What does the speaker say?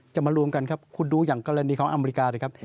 จะมารวมกันครับคุณดูอย่างกรณีของอเมริกา